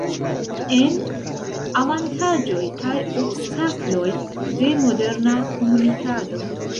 En: Avantaĝoj kaj obstakloj de moderna komunikado.